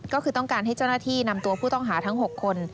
ก็คือต้องการให้เจ้าหน้าที่นำตัวผู้ต้องหาทั้ง๖คน